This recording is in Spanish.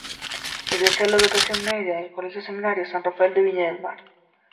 Egresa de la Educación Media del Colegio Seminario San Rafael de Viña del Mar.